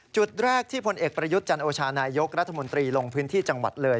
จุดแรกที่พลเอกประยุทธ์จันโอชานายกรัฐมนตรีลงพื้นที่จังหวัดเลย